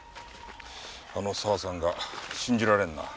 あの沢さんが信じられんな。